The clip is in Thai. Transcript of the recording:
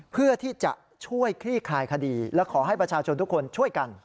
เพื่อที่จะช่วยคลี่คลายคดีและขอให้ประชาชนทุกคนช่วยกัน